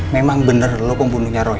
memang bener lo pembunuhnya roy